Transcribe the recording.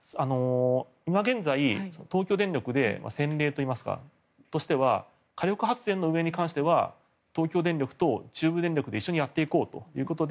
今現在東京電力で、先例としては火力発電の運営に関しては東京電力と中部電力で一緒にやっていこうということで。